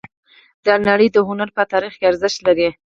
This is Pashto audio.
د نړۍ د هنر په تاریخ کې ارزښت لري